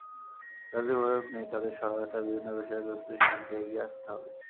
যাদের অভিভাবক নেই, তাদের সহায়তায় বিভিন্ন বেসরকারি প্রতিষ্ঠানকে এগিয়ে আসতে হবে।